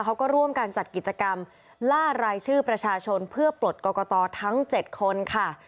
เขาก็ร่วมกันจัดกิจกรรมล่ารายชื่อประชาชนเพื่อปลดกรกตทั้ง๗คนค่ะ